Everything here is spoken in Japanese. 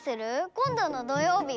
こんどのどようびは？